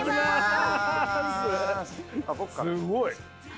すごい。